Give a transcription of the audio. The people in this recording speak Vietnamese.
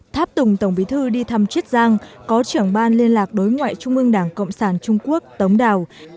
tháp tùng tổng bí thư đi thăm chiết giang có trưởng ban liên lạc đối ngoại trung ương đảng cộng sản trung quốc tống đào